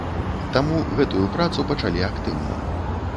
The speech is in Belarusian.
Таму гэтую працу пачалі актыўна.